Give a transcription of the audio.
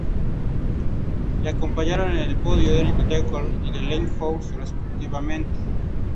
Le acompañaron en el podio Erik Dekker y de Leif Hoste, respectivamente.